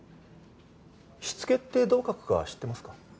「しつけ」ってどう書くか知ってますか？